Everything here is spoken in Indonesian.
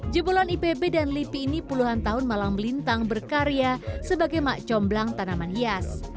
jebolan ipb dan lipi ini puluhan tahun malang melintang berkarya sebagai mak comblang tanaman hias